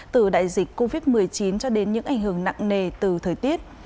từ đại dịch covid một mươi chín cho đến những ảnh hưởng nặng nề từ thời tiết